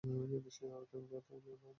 কিন্তু সে আর থেনা থাকবে না।